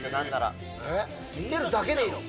見てるだけでいいの？